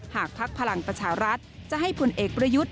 พักพลังประชารัฐจะให้ผลเอกประยุทธ์